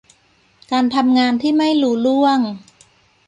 การทำงานที่ไม่ลุล่วง